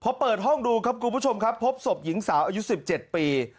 พอเปิดห้องดูครับคุณผู้ชมครับพบศพหญิงสาวอายุ๑๗ปี